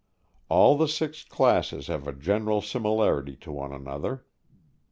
All the six classes have a general similarity to one another.